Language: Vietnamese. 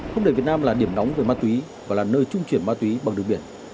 không để việt nam là điểm nóng về ma túy và là nơi trung chuyển ma túy bằng đường biển